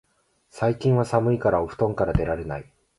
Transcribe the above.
最近は寒いからお布団から出られない